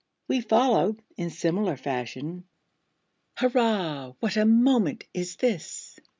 We followed, in similar fashion; Hurrah, what a moment is this!